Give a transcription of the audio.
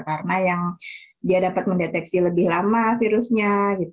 karena yang dia dapat mendeteksi lebih lama virusnya